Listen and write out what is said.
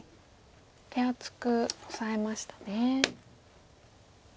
手厚くオサえましたね。